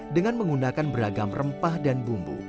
dengan menggunakan beragam rempah dan bumbu